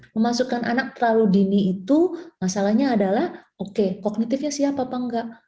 memasukkan anak terlalu dini itu masalahnya adalah oke kognitifnya siap apa enggak